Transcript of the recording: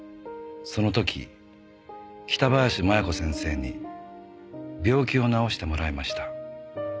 「その時北林麻弥子先生に病気を治してもらいました」